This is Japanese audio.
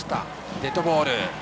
デッドボール。